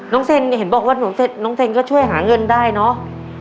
เซนเห็นบอกว่าน้องเซนก็ช่วยหาเงินได้เนอะ